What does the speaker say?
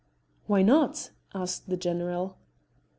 "Why not?" asked the general.